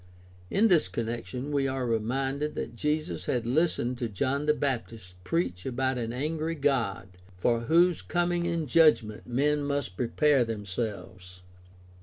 In this connection we are reminded that Jesus had listened to John the Baptist preach about an angry God for whose coming in judgment men must prepare themselves.